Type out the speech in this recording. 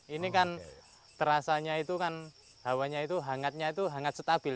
ini kan terasanya itu kan hawanya itu hangatnya itu hangat stabil